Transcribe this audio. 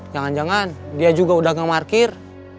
jangan jangan dia juga udah nge markir